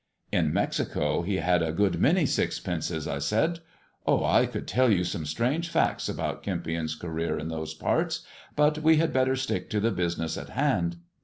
"In Mexico he had a good many sixpences," I said. " Oh, I could tell you some strange facts about Kempion's career in those parts, but we had better stick to the business in hand."